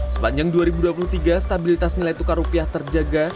sepanjang dua ribu dua puluh tiga stabilitas nilai tukar rupiah terjaga